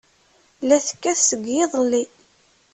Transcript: La tekkat seg yiḍelli.